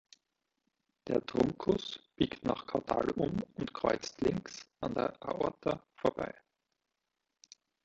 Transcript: Der Truncus biegt nach kaudal um und kreuzt links an der Aorta vorbei.